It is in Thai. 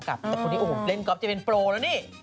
แต่คนนี้โอ้โหเล่นก๊อฟจะเป็นโปรแล้วนี่